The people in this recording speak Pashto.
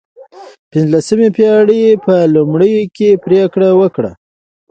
د پنځلسمې پېړۍ په لومړیو کې پرېکړه وکړه.